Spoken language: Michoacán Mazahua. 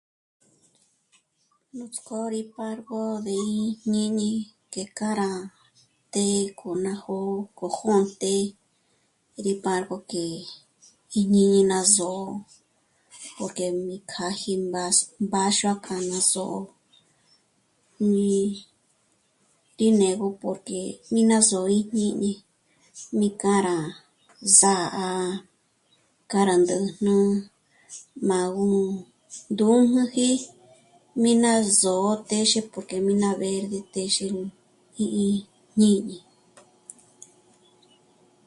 Nuts'k'ó rí pârgo ndé í jñíñi k'e k'a rá të́'ë k'o ná jo'o k'o jônte, rí pârgo k'e í jñíñi ná só'o porque mi kjâ'aji mbás... mbáxua k'a ná só'o, ní rí né'egö porque mi ná só'o í jñíñi, mí k'a rá sâ'a k'a rá ndä̂jnä, má go ndǔmüji, mi ná só'o téxe porque mi ná verde téxe nú 'í'i jñíñi